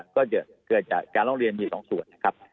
ก็จะเกิดจากการร้องเรียนมีสองส่วนนะครับ